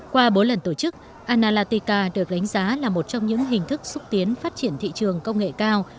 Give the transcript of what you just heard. qua bốn lần tổ chức analatika được đánh giá là một trong những hình thức xúc tiến phát triển thị trường công nghệ cao